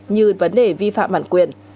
như vấn đề vi phạm bản quyền